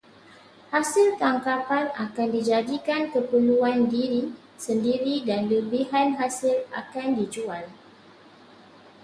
Hasil tangkapan akan dijadikan keperluan diri sendiri dan lebihan hasil akan dijual.